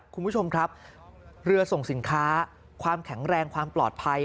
คุณผู้ชมครับเรือส่งสินค้าความแข็งแรงความปลอดภัย